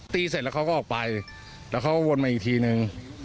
เสร็จแล้วเขาก็ออกไปแล้วเขาก็วนมาอีกทีนึง